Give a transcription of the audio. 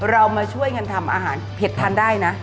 เรามาช่วยกันทำอาหารเผ็ดทานได้นะ